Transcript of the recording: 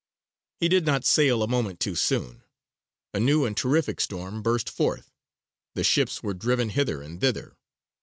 He did not sail a moment too soon. A new and terrific storm burst forth. The ships were driven hither and thither.